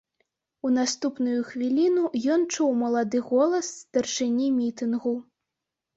У наступную хвіліну ён чуў малады голас старшыні мітынгу.